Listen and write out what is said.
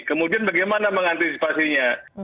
kemudian bagaimana mengantisipasinya